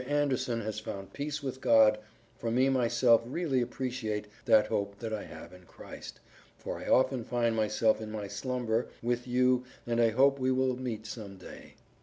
Anderson has found peace with God for me myself really appreciate that hope that I have in Christ, for I often find myself in my slumber with you and I hope we will meet some day.